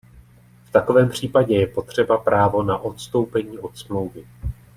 V takovém případě je potřeba právo na odstoupení od smlouvy.